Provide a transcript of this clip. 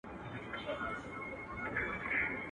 د خپل بخت په سباوون کي پر آذان غزل لیکمه.